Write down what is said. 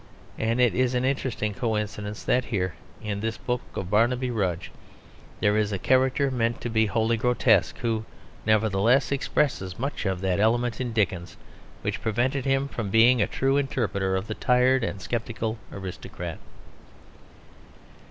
And it is an interesting coincidence that here, in this book of Barnaby Rudge, there is a character meant to be wholly grotesque, who, nevertheless, expresses much of that element in Dickens which prevented him from being a true interpreter of the tired and sceptical aristocrat.